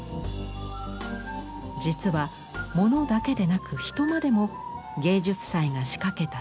実はものだけでなく人までも芸術祭が仕掛けた作品。